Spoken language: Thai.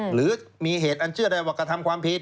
หรือมีเหตุอันเชื่อในวักษณ์ความผิด